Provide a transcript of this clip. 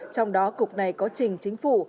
trong đó cục này có trình chính phủ